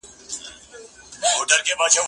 زه به سبا مځکي ته ګورم وم،